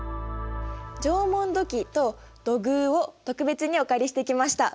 縄文土器と土偶を特別にお借りしてきました。